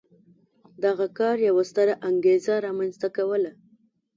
دغه کار یوه ستره انګېزه رامنځته کوله.